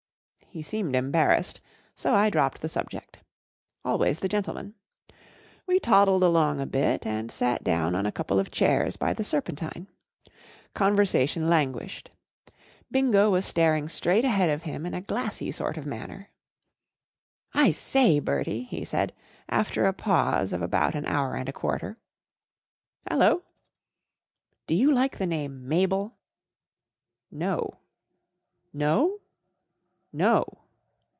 He seemed embarrassed, so I dropped the subject. Always the gentleman. We toddled along a bit, and sat down on a couple of chairs by the Serpentine. Conversation lan¬ guished. Bingo was staring straight ahead Vol. txii. —32. of him in a glassy sort of manner. " I say, Bertie," he said, after a pause of about an hour and a quarter. " Hallo !"" Do you like the name Mabel ?"" No." " No ?"" No."